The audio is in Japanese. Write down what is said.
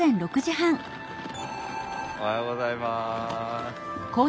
おはようございます。